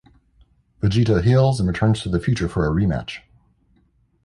Vegeta heals and returns to the future for a rematch.